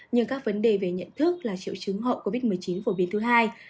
nhưng các vấn đề về nhận thức là triệu chứng hậu covid một mươi chín phổ biến thứ hai